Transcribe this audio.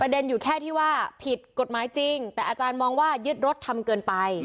เด็นอยู่แค่ที่ว่าผิดกฎหมายจริงแต่อาจารย์มองว่ายึดรถทำเกินไป